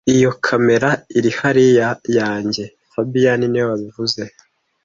Iyo kamera iri hariya yanjye fabien niwe wabivuze